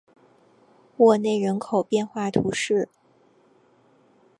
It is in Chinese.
沃内人口变化图示